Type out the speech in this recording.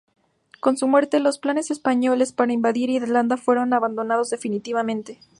Con su muerte, los planes españoles para invadir Irlanda fueron abandonados definitivamente.